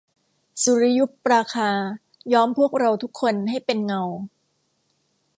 สุริยุปราคาย้อมพวกเราทุกคนให้เป็นเงา